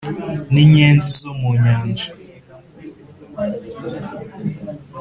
n'inyenzi zo mu nyanja,